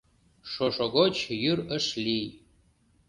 Шошо гоч йӱр ыш лий.